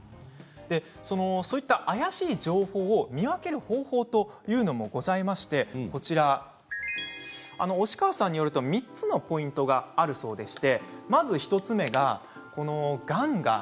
そういった怪しい情報を見分ける方法というのもございまして押川さんによると３つのポイントがあるそうです。